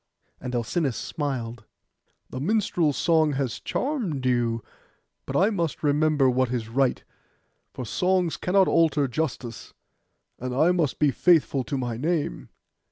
And Alcinous smiled. 'The minstrel's song has charmed you: but I must remember what is right, for songs cannot alter justice; and I must be faithful to my name.